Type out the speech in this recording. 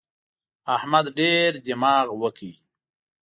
احمد ډېر دماغ وکړ.